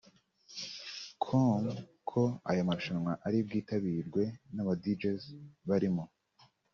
com ko aya marushanwa ari bwitabirwe na ba Djs barimo